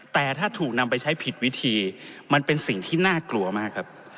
แต่ถ้าถูกนำไปใช้ผิดวิธีมันเป็นสิ่งที่น่ากลัวมากครับ